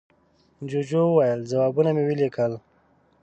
جوجو وویل، ځوابونه مې وليکل.